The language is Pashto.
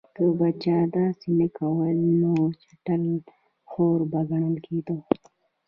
که به چا داسې نه کول نو چټل خور به ګڼل کېده.